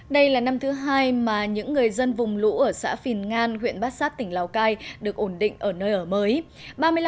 đây là năm thứ hai mà những người dân vùng lũ ở xã phìn ngan huyện bát sát tỉnh lào cai được ổn định ở nơi ở mới